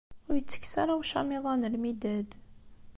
Ur yettekkes ara ucamiḍ-a n lmidad.